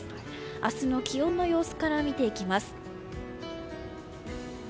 明日の気温の様子から見ていきます。